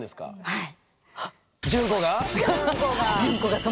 はい。